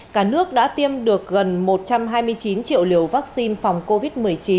cả nước đã tiêm được gần một trăm hai mươi chín triệu liều vaccine phòng covid một mươi chín